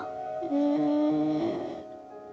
うん。